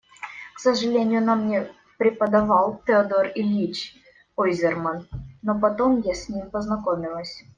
К сожалению, нам не преподавал Теодор Ильич Ойзерман, но потом я с ним познакомилась.